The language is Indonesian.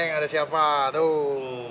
ya neng ada siapa tuh